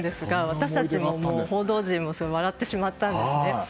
私たち報道陣も笑ってしまったんですね。